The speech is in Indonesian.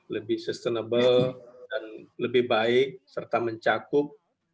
lebih sustainable dan lebih baik serta mencakup